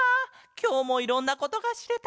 きょうもいろんなことがしれた。